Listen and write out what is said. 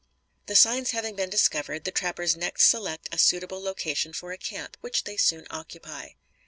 The signs having been discovered, the trappers next select a suitable location for a camp, which they soon occupy.